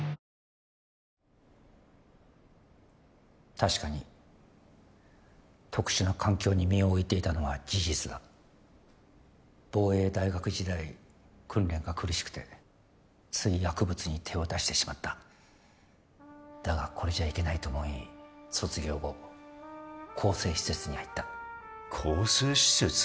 確かに特殊な環境に身を置いていたのは事実だ防衛大学時代訓練が苦しくてつい薬物に手を出してしまっただがこれじゃいけないと思い卒業後更生施設に入った更生施設？